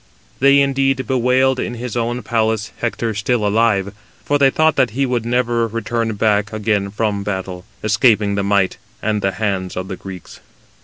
They, indeed, bewailed in his own palace Hector still alive, for they thought that he would never return back again from battle, escaping the might and the hands of the Greeks.